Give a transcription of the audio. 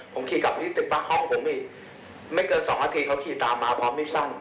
ผมขี่กลับที่ตึกบัคห้องผมอีกไม่เกิน๒นาทีเขาขี่ตามมาพร้อมไม่สั้น